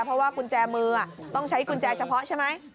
เพราะว่ากุญแจมือต้องใช้กุญแจเฉพาะใช่ไหม